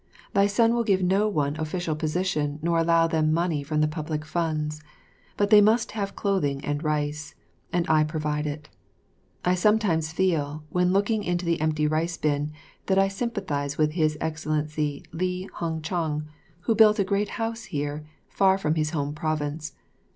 Thy son will give no one official position nor allow them money from the public funds; but they must have clothing and rice, and I provide it. I sometimes feel, when looking into the empty rice bin, that I sympathize with His Excellency Li Hung chang who built a great house here, far from his home province.